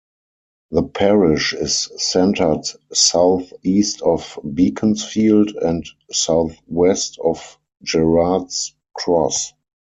The parish is centred south-east of Beaconsfield and south-west of Gerrards Cross.